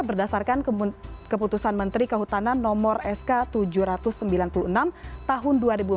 berdasarkan keputusan menteri kehutanan nomor sk tujuh ratus sembilan puluh enam tahun dua ribu enam belas